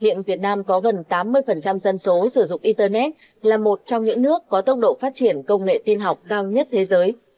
hiện việt nam có gần tám mươi dân số sử dụng internet là một trong những nước có tốc độ phát triển công nghệ tiên học cao nhất thế giới